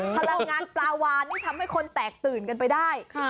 พลังงานปลาวานนี่ทำให้คนแตกตื่นกันไปได้